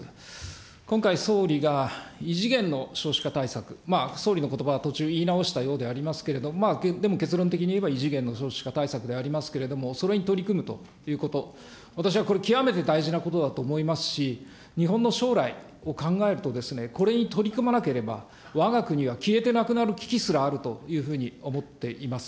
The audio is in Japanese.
今回、総理が異次元の少子化対策、総理のことば、途中言い直したようでありますけれども、でも結論的に言えば、異次元の少子化対策でありますけれども、それに取り組むということ、私は、これ、極めて大事なことだと思いますし、日本の将来を考えると、これに取り組まなければ、わが国は消えてなくなる危機すらあるというふうに思っています。